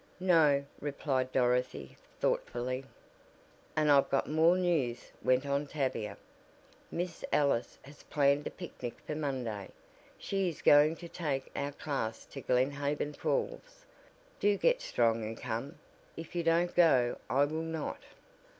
"No," replied Dorothy, thoughtfully. "And I've got more news," went on Tavia, "Miss Ellis has planned a picnic for Monday. She is going to take our class to Glen Haven Falls. Do get strong and come, if you don't go I will not."